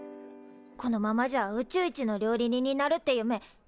このままじゃあ宇宙一の料理人になるって夢ダメんなっちまう。